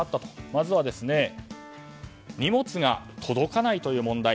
まずは荷物が届かないという問題。